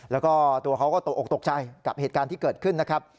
แล้วก็ตัวเขาก็ตกออกตกใจกับเหตุการณ์ที่เกิดขึ้นนะครับ